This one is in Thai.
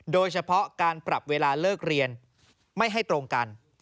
โดยเฉพาะการปรับเวลาเลิกเรียนไม่ให้ตรงกัน